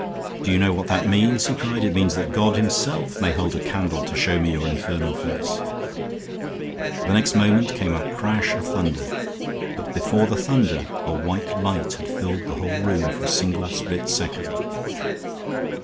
"Do you know what that means?" he cried. "It means that God himself may hold a candle to show me your infernal face." Then next moment came a crash of thunder; but before the thunder a white light had filled the whole room for a single split second.